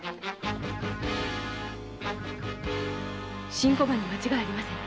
新小判に間違いありません。